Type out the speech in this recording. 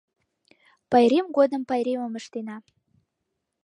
Пайрем годым пайремым ыштена